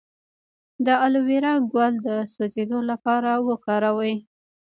د الوویرا ګل د سوځیدو لپاره وکاروئ